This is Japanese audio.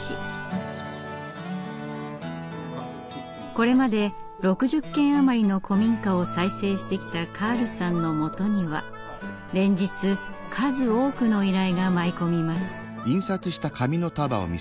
これまで６０軒余りの古民家を再生してきたカールさんのもとには連日数多くの依頼が舞い込みます。